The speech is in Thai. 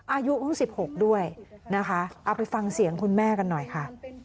อายุเพิ่ง๑๖ด้วยนะคะเอาไปฟังเสียงคุณแม่กันหน่อยค่ะ